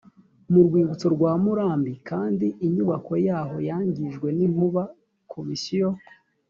mu rwibutso rwa murambi kandi inyubako yaho yangijwe n inkuba komisiyo